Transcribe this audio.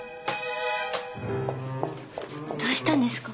どうしたんですか？